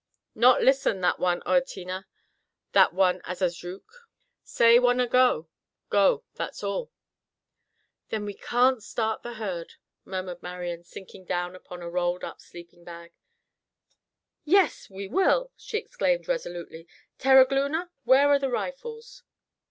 "Not listen that one Oatinna, that one Azazruk. Say wanna go. Go, that's all." "Then we can't start the herd," murmured Marian, sinking down upon a rolled up sleeping bag. "Yes, we will!" she exclaimed resolutely. "Terogloona, where are the rifles?"